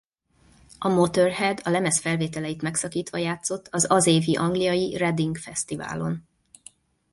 A Motörhead a lemez felvételeit megszakítva játszott az az évi angliai Reading fesztiválon.